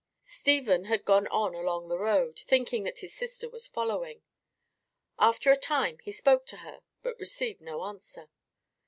Stephen had gone on along the road, thinking that his sister was following. After a time he spoke to her, but received no answer.